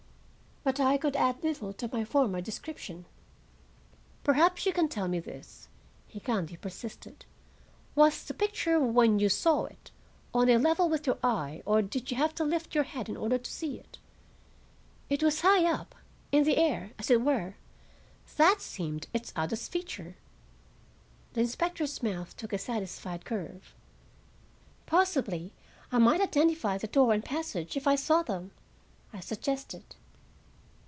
But I could add little to my former description. "Perhaps you can tell me this," he kindly persisted. "Was the picture, when you saw it, on a level with your eye, or did you have to lift your head in order to see it?" "It was high up,—in the air, as it were. That seemed its oddest feature." The inspector's mouth took a satisfied curve. "Possibly I might identify the door and passage, if I saw them," I suggested.